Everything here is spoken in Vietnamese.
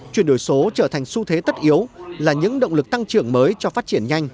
chuyển đổi số trở thành xu thế tất yếu là những động lực tăng trưởng mới cho phát triển nhanh